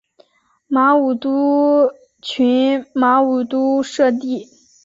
马武督群马武督社地。